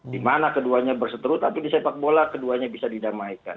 di mana keduanya berseteru tapi di sepak bola keduanya bisa didamaikan